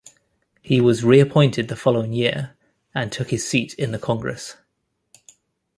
He was re-appointed the following year, and took his seat in the Congress.